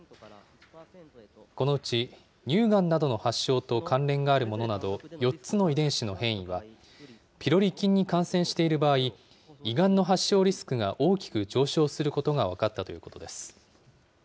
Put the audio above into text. このうち、乳がんなどの発症と関連があるものなど４つの遺伝子の変異は、ピロリ菌に感染している場合、胃がんの発症リスクが大きく上昇することが分かったということです。